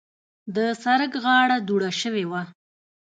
د سړک غاړه دوړه شوې وه.